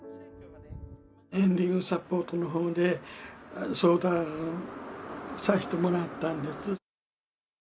エンディングサポートのほうで、相談させてもらったんです。